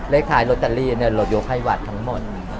เลขท้ายลอตเตอรี่เรายกให้วัดทั้งหมด